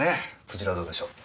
そちらはどうでしょう？